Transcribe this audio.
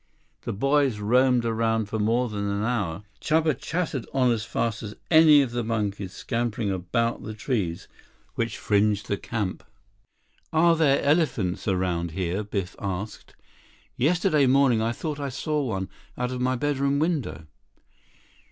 The boys roamed around for more than an hour. Chuba chattered on as fast as any of the monkeys scampering about the trees which fringed the camp. "Are there elephants around here?" Biff asked. "Yesterday morning I thought I saw one out of my bedroom window."